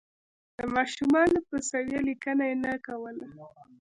د ماشومانو په سویه لیکنه یې نه کوله.